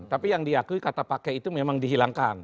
tapi yang diakui kata pakai itu memang dihilangkan